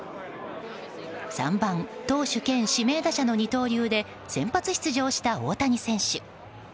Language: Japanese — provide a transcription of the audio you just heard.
３番投手兼指名打者の二刀流で先発出場した大谷選手。